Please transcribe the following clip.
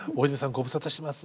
ご無沙汰してます。